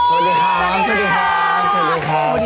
สวัสดีครับ